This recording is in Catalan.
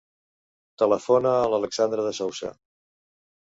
Telefona a l'Alejandra De Sousa.